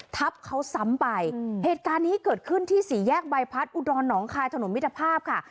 ทับเขาซ้ำไปเหตุการณ์นี้เกิดขึ้นที่สี่แยกใบพัดอุดรหนองคายถนนมิตรภาพค่ะ